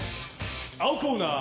青コーナー